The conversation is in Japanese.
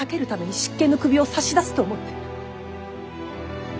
執権の首を差し出すと思ってる。